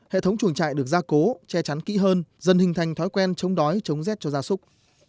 hệ thống chuồng chạy được ra cố che chắn kỹ hơn dần hình thành thói quen chống đói chống rét cho ra súc